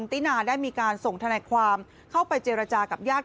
ตินาได้มีการส่งทนายความเข้าไปเจรจากับญาติ